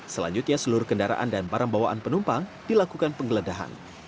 selanjutnya seluruh kendaraan dan barang bawaan penumpang dilakukan penggeledahan